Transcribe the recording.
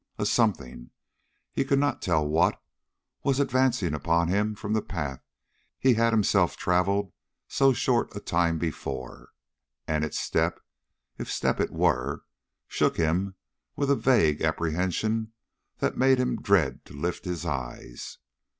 A something he could not tell what was advancing upon him from the path he had himself travelled so short a time before, and its step, if step it were, shook him with a vague apprehension that made him dread to lift his eyes.